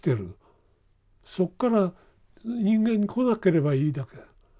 そっこから人間に来なければいいだけ。